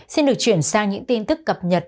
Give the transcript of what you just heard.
xin được chuyển sang những tin tức cập nhật